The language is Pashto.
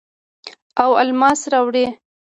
او الماس راوړي